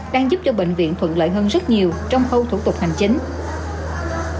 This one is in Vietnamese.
đang giúp cho bệnh viện thuận lợi hơn rất nhiều trong khâu thủ tục hành chính